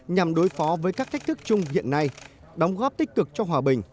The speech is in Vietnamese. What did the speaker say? nhằm đối phó với các thách thức chung hiện nay đóng góp tích cực cho hòa bình